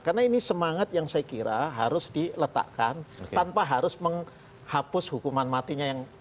karena ini semangat yang saya kira harus diletakkan tanpa harus menghapus hukuman matinya yang itu